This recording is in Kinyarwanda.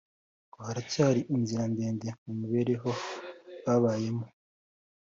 ngo haracyari inzira ndende mu mibereho babayemo